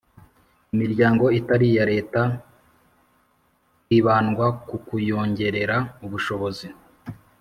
imiryango itari iya Leta hibandwa kukuyongerera ubushobozi